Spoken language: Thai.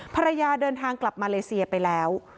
ภรรยาเดินทางกลับมาเลเซียไปแล้ว